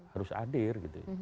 harus hadir gitu